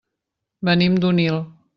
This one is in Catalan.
Venim d'Onil.